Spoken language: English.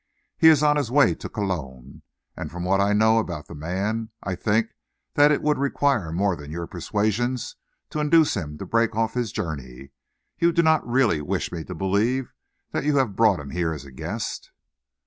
He is on his way to Cologne, and from what I know about the man, I think that it would require more than your persuasions to induce him to break off his journey. You do not really wish me to believe that you have brought him here as a guest?"